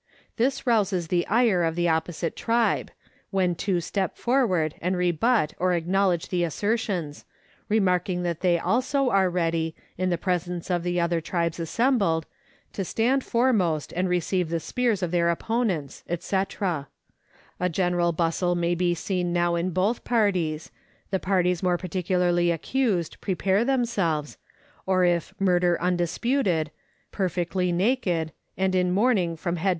This rouses the ire of the opposite tribe, when two step forward and rebut or acknowledge the assertions, remarking that they also are ready, in the presence of the other tribes assembled, to stand foremost and receive the spears of their opponents, &c. A general bustle may be seen now in both parties ; the parties more particularly accused prepare themselves, if of murder undisputed, perfectly naked, and in mourning from head 1 Two sticks about 6 or 8 inches lontf. Letters from Victorian Pioneers.